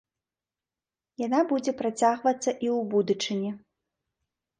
Яна будзе працягвацца і ў будучыні.